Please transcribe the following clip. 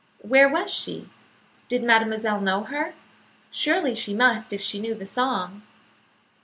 Where was she? Did mademoiselle know her? Surely she must if she knew the song.